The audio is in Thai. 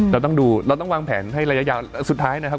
เราต้องวางแผนให้ระยะยาวสุดท้ายนะครับ